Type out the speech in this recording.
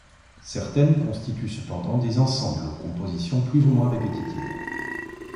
Certaines constituent cependant des ensembles, aux compositions plus ou moins répétitives.